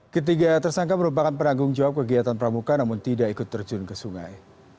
ketiga tersangka merupakan penanggung jawab kegiatan pramuka namun tidak ikut terjun ke sungai